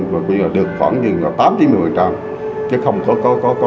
và tương lai con vẫn còn kề trước